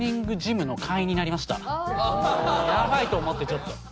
やばいと思ってちょっと。